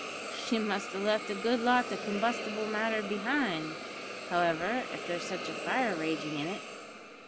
"She must have left a good lot o' combustible matter behind, however, if there's such a fire raging in it.